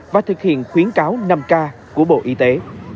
và thực hiện khuyến cáo năm k của bộ y tế